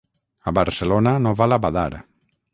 A Barcelona no val a badar.